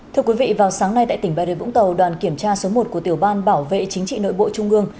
thưa quý vị vào sáng nay tại tỉnh bà rịa vũng tàu đoàn kiểm tra số một của tiểu ban bảo vệ chính trị nội bộ trung ương